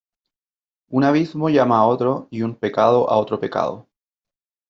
Un abismo llama a otro y un pecado a otro pecado.